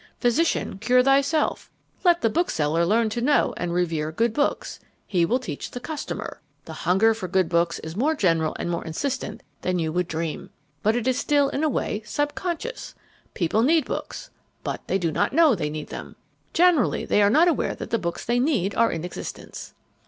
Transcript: Physician, cure thyself! Let the bookseller learn to know and revere good books, he will teach the customer. The hunger for good books is more general and more insistent than you would dream. But it is still in a way subconscious. People need books, but they don't know they need them. Generally they are not aware that the books they need are in existence."